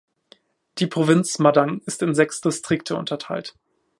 Die Provinz Madang ist in sechs Distrikte unterteilt.